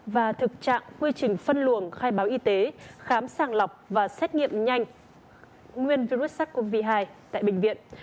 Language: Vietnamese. và thực trạng quy trình phân luồng khai báo y tế khám sàng lọc và xét nghiệm nhanh nguyên virus sars cov hai tại bệnh viện